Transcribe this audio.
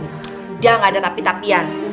udah gak ada tapi tapian